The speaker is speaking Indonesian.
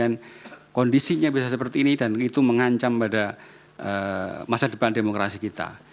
karena kondisinya bisa seperti ini dan itu mengancam pada masa depan demokrasi kita